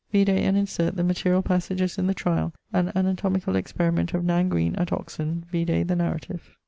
Vide and insert the materiall passages in the tryal, and anatomicall experiment of Nan Green at Oxon: vide the narrative.